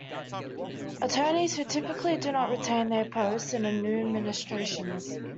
Attorneys, who typically do not retain their posts in a new administrations.